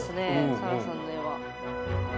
さらさんの絵は。